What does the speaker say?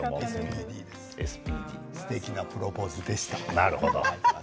すてきなプロポーズでした。